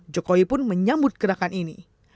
jokowi pun menyambut gerakan ini